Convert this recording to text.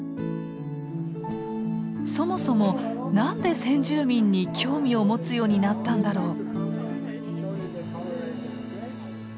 そもそも何で先住民に興味を持つようになったんだろう？